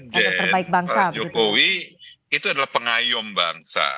gen pak jokowi itu adalah pengayom bangsa